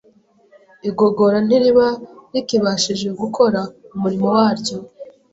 igogora ntiriba rikibashije gukora umurimo waryo.